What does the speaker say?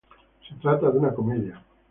Se trata de una comedia.